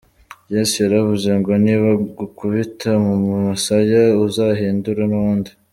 Yesu yaravuze ngo nibagukubita mu musaya, uzahindure n’uwundi.